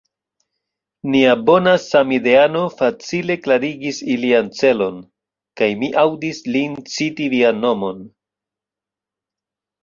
Nia bona samideano facile klarigis ilian celon; kaj mi aŭdis lin citi vian nomon.